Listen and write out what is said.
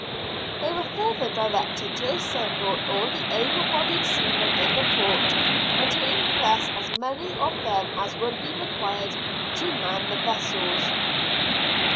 They were further directed to assemble all the able bodied seamen in the port, and to impress as many of them as would be required to man the vessels.